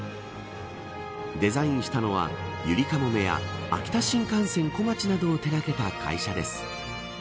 デザインしたのはゆりかもめや秋田新幹線こまちなどを手がけた会社です。